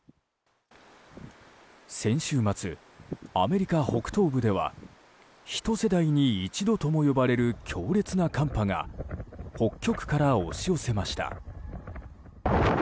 先週末、アメリカ北東部では一世代に一度とも呼ばれる強烈な寒波が北極から押し寄せました。